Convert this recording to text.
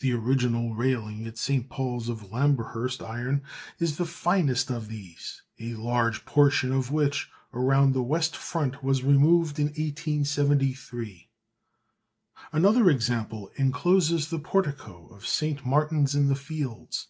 The original railing at St. Paul's, of Lamberhurst iron, is the finest of these, a large portion of which around the west front was removed in 1873. Another example encloses the portico of St. Martin's in the Fields.